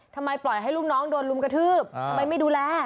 ทำไมปล่อยให้ลูกน้องโดนลุมกระทืบทำไมไม่ดูแล